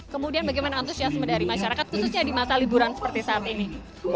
kemudian bagaimana antusiasme dari masyarakat khususnya di masa liburan seperti saat ini